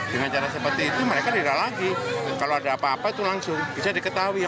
dengan cara seperti itu mereka tidak lagi kalau ada apa apa itu langsung bisa diketahui